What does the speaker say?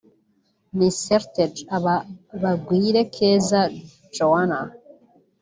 Miss Heritage aba Bagwire Keza Joannah